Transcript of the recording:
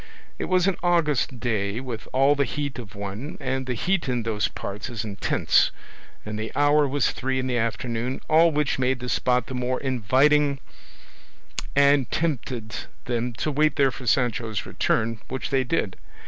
It was an August day with all the heat of one, and the heat in those parts is intense, and the hour was three in the afternoon, all which made the spot the more inviting and tempted them to wait there for Sancho's return, which they did.